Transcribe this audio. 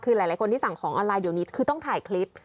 คือหลายคนที่สั่งของออนไลเดี๋ยวนี้คือต้องถ่ายคลิป